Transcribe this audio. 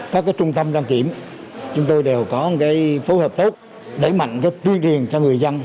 các trung tâm trang kiểm chúng tôi đều có phối hợp tốt để mạnh tuyên truyền cho người dân